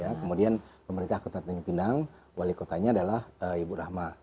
kemudian pemerintah kota tanjung pinang wali kotanya adalah ibu rahma